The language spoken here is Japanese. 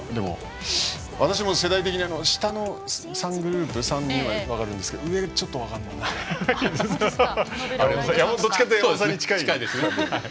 私も世代的に下の３グループ３人は分かりますが上はちょっと分からなくて。